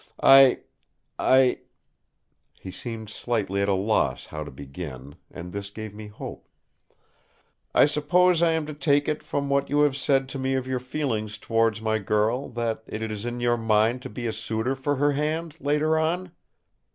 I—I"—he seemed slightly at a loss how to begin, and this gave me hope—"I suppose I am to take it, from what you have said to me of your feelings towards my girl, that it is in your mind to be a suitor for her hand, later on?"